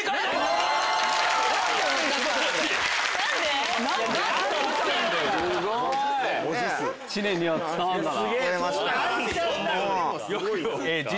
すごいな！